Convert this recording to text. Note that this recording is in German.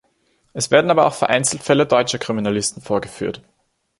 Es werden aber auch vereinzelt Fälle deutscher Kriminalisten vorgeführt.